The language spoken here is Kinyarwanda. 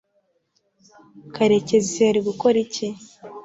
karekezi yari gukora iki